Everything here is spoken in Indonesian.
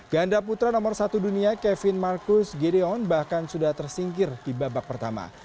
ganda putra nomor satu dunia kevin marcus gideon bahkan sudah tersingkir di babak pertama